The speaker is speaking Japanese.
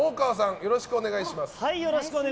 よろしくお願いします。